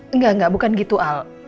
engga engga bukan gitu al